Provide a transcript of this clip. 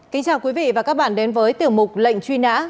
kính chào quý vị và các bạn đến với tiểu mục lệnh truy nã